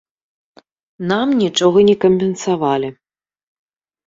Нам нічога не кампенсавалі.